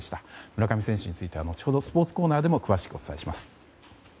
村上選手については後ほどスポーツコーナーでもお伝えします。